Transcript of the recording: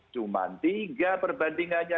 cuma tiga perbandingannya